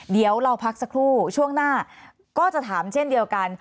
เดี๋ยวเราพักสักครู่ช่วงหน้าก็จะถามเช่นเดียวกัน